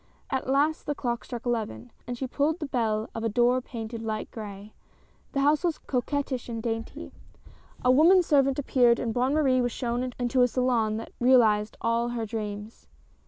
At last the clock struck eleven, and she pulled the bell of a door painted light gray. The house was coquettish and daint3^ A woman servant appeared, and Bonne Marie was shown into a salon that realized all her dreams.